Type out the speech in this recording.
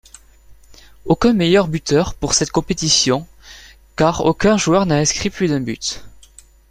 Aucun meilleur buteur pour cette compétition car aucun joueur n'a inscrit plus d'un but.